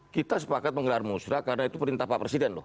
kita sepakat menggelar musrah karena itu perintah pak presiden loh